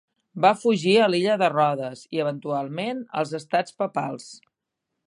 Va fugir a l'illa de Rodes, i eventualment als Estats Papals.